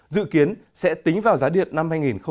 dự kiến sẽ tính vào giá điện năm hai nghìn hai mươi